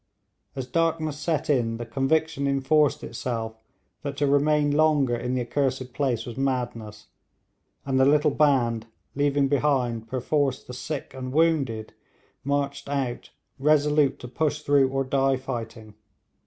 As darkness set in the conviction enforced itself that to remain longer in the accursed place was madness; and the little band, leaving behind perforce the sick and wounded, marched out, resolute to push through or die fighting.